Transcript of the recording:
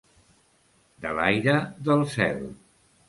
De l'aire del cel.